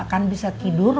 gak akan bisa tidur